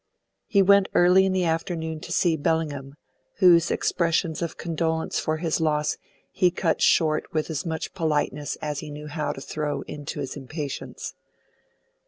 He went early in the afternoon to see Bellingham, whose expressions of condolence for his loss he cut short with as much politeness as he knew how to throw into his impatience.